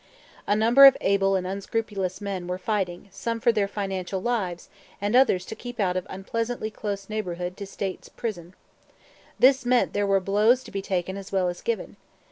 A number of able and unscrupulous men were fighting, some for their financial lives, and others to keep out of unpleasantly close neighborhood to State's prison. This meant that there were blows to be taken as well as given.